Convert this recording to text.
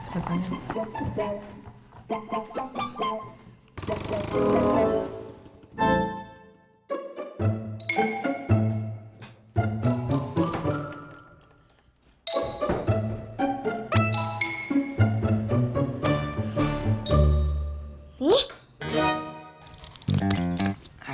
yaudah cepet tanya